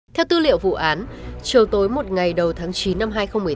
theo tư liệu vụ án chiều tối một ngày đầu tháng chín năm hai nghìn một mươi tám